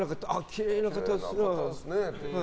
きれいな方ですねって。